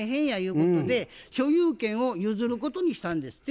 ことで所有権を譲ることにしたんですって。